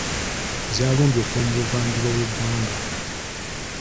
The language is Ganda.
Zaalumbye okuva mu buvanjuba bw'eggwanga.